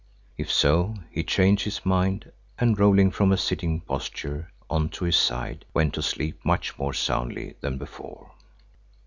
If so, he changed his mind and rolling from a sitting posture on to his side, went to sleep much more soundly than before.